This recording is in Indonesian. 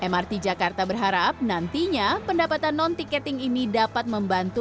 mrt jakarta berharap nantinya pendapatan non tiketing ini dapat membantu